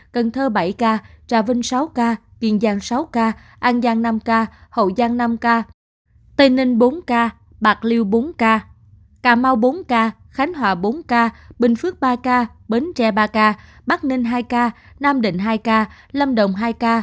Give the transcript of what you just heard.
các tỉnh thành phố khác